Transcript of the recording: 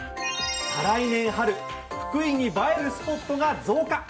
再来年春福井に映えるスポットが増加。